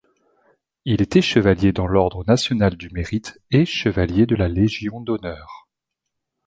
Il était chevalier dans l'ordre national du Mérite et chevalier de la Légion d'honneur.